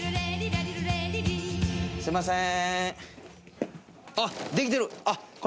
すいません。